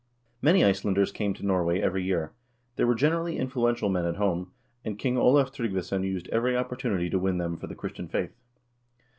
3 Many Icelanders came to Norway every year. They were gen erally influential men at home, and King Olav Tryggvason used every opportunity to win them for the Christian faith.